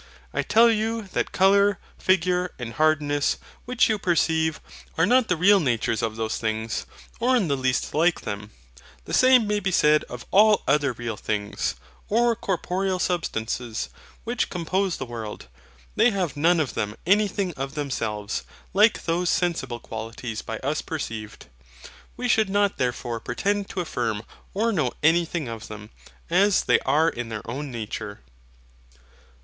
I tell you that colour, figure, and hardness, which you perceive, are not the real natures of those things, or in the least like them. The same may be said of all other real things, or corporeal substances, which compose the world. They have none of them anything of themselves, like those sensible qualities by us perceived. We should not therefore pretend to affirm or know anything of them, as they are in their own nature.